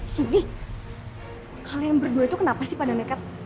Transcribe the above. sini kalian berdua kenapa pada nekat